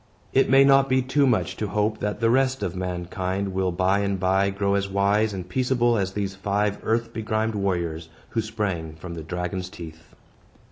It may not be too much to hope that the rest of mankind will by and by grow as wise and peaceable as these five earth begrimed warriors, who sprang from the dragon's teeth.